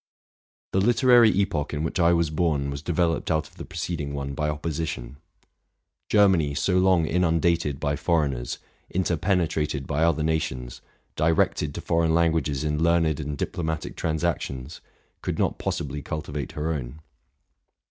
The literary epoch in which I was born was deyeloped out of the preceding one by opposition. Germany, so long inundated by foreigners, interpenetrated by other nations, directed to foreign languages in learned and diplomatic trans actions, could not possibly cultivate her own.